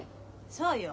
そうよ。